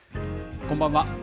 こんばんは。